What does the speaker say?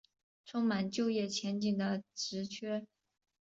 充满就业前景的职缺